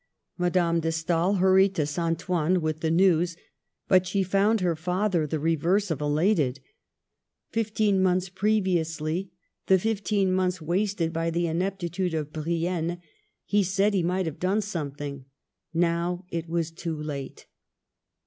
Madame de Stael hurried to St. Ouen with the news, but she found her father the reverse of elated. Fifteen months previously — the fifteen months wasted by the ineptitude of Brienne — he said he might have done something ; now it was too late.